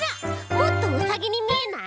もっとウサギにみえない！？